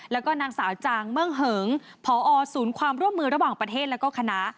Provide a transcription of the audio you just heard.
แล้วก็นางสาวจางเมืองเหิงพอศูนย์ความร่วมมือระหว่างประเทศแล้วก็คณะ